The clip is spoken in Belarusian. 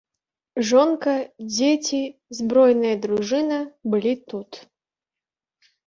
Жонка, дзеці, збройная дружына былі тут.